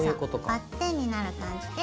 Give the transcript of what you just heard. バッテンになる感じで。